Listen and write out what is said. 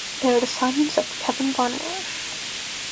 They are the sons of Kevin Von Erich.